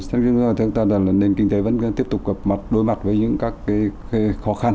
thách thức trước mặt chúng ta là nền kinh tế vẫn tiếp tục đối mặt với những các cái khó khăn